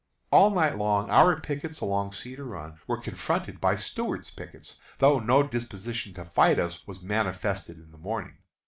"_ All night long our pickets along Cedar Run were confronted by Stuart's pickets, though no disposition to fight us was manifest in the morning.